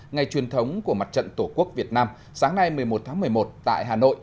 ngày truyền thống của mặt trận tổ quốc việt nam sáng nay một mươi một tháng một mươi một tại hà nội